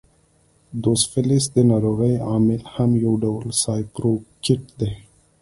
دوسفلیس د ناروغۍ عامل هم یو ډول سپایروکیټ دی.